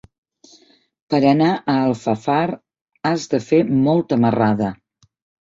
Per anar a Alfafar has de fer molta marrada.